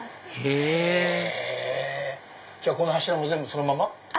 へぇじゃあこの柱も全部そのまま？